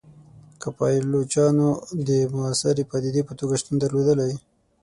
که پایلوچانو د موثري پدیدې په توګه شتون درلودلای.